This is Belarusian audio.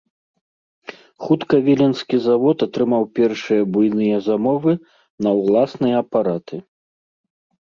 Хутка віленскі завод атрымаў першыя буйныя замовы на ўласныя апараты.